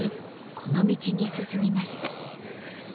この道に進みました。